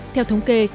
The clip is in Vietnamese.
theo thống kê